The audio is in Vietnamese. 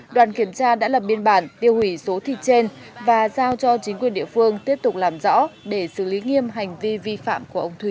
đoàn kiểm tra đã lập biên bản tiêu hủy số thịt trên và giao cho chính quyền địa phương tiếp tục làm rõ để xử lý nghiêm hành vi vi phạm của ông thúy